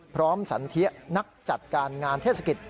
สันเทียนักจัดการงานเทศกิจ